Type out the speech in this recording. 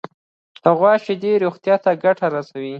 د غوا شیدې روغتیا ته ګټه رسوي.